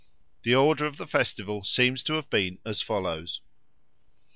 The order of the festival seems to have been as follows.